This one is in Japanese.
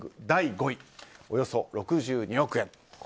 第５位およそ６２億円。